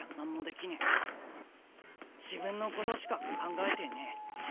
自分のことしか考えてねえ。